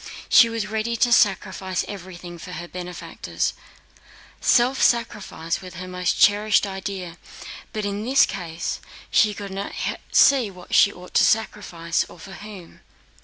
She was ready to sacrifice everything for her benefactors. Self sacrifice was her most cherished idea but in this case she could not see what she ought to sacrifice, or for whom.